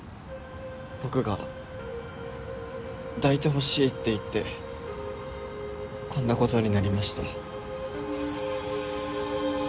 僕が抱いてほしいって言ってこんな事になりました。